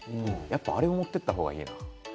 あれも持っていったほうがいいなって。